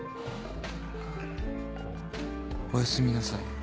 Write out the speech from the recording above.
おやすみなさい。